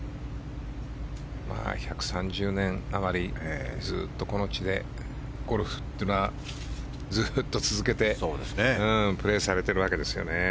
１３０年あまり、ずっとこの地でゴルフっていうのはずっと続けてプレーされてるわけですよね。